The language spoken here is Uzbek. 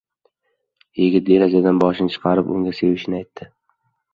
Yigit derazadan boshini chiqarib unga sevishini aytadi...